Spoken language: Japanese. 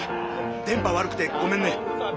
電波悪くてごめんね」。